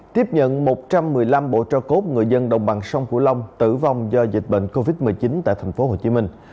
tiếp nhận một trăm một mươi năm bộ cho cốt người dân đồng bằng sông cửu long tử vong do dịch bệnh covid một mươi chín tại thành phố hồ chí minh